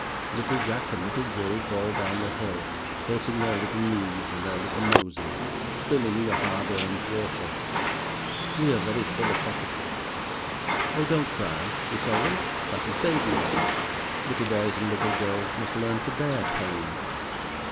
Little Jack and little Jill fall down the hill, hurting their little knees, and their little noses, spilling the hard earned water. We are very philosophical. "Oh, don't cry!" we tell them, "that is babyish. Little boys and little girls must learn to bear pain.